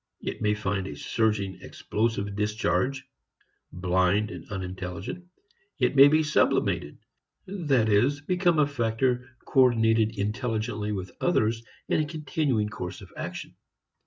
It may find a surging, explosive discharge blind, unintelligent. It may be sublimated that is, become a factor coordinated intelligently with others in a continuing course of action.